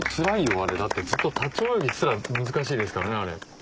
あれだってずっと立ち泳ぎすら難しいですからねあれ。